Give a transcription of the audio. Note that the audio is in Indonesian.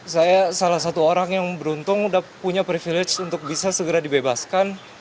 saya salah satu orang yang beruntung sudah punya privilege untuk bisa segera dibebaskan